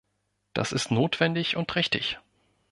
Das ist notwendig und richtig.